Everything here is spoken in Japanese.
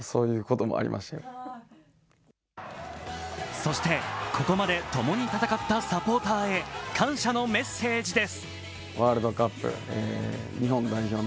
そして、ここまで共に戦ったサポーターへ感謝のメッセージです。